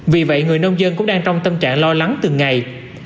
vì vậy người nông dân cũng đang trong tâm trạng lo lắng từng ngày